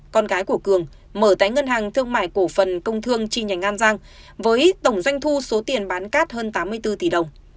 con gái của cường mở tại ngân hàng thương mại cổ phần công thương chi nhánh an giang với tổng doanh thu số tiền bán cát hơn tám mươi bốn tỷ đồng